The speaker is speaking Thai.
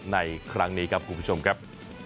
ในครั้งนี้ครับคุณผู้ชมครับ